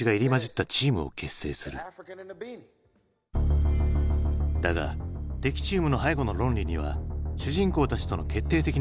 だが敵チームの背後の論理には主人公たちとの決定的な違いがあった。